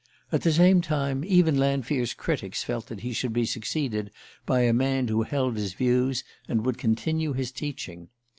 At the same time, even Lanfear's critics felt that he should be succeeded by a man who held his views and would continue his teaching.